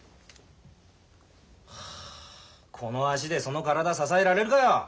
はあこの足でその体支えられるかよ！